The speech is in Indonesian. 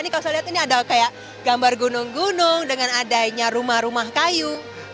ini kalau saya lihat ini ada kayak gambar gunung gunung dengan adanya rumah rumah kayu